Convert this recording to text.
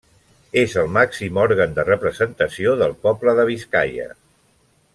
És el màxim òrgan de representació del poble de Biscaia.